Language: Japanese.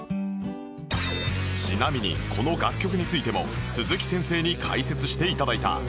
ちなみにこの楽曲についても鈴木先生に解説して頂いた